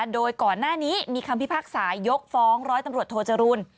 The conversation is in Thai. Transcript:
โดยก่อนหน้านี้มีคำพิพากษายกฟ้องร้อยตำรวจโทจรูล